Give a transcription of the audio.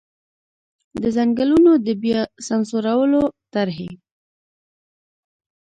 د ځنګلونو د بیا سمسورولو طرحې.